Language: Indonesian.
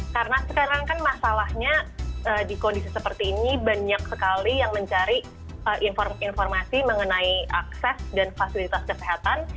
karena sekarang kan masalahnya di kondisi seperti ini banyak sekali yang mencari informasi mengenai akses dan fasilitas kesehatan